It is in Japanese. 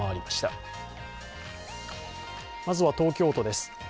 まずは東京都です。